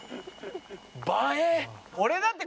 映え！